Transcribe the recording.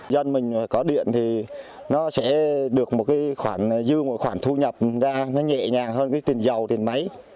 dân mình có điện thì nó sẽ được một khoản dư một khoản thu nhập ra nó nhẹ nhàng hơn tiền dầu tiền máy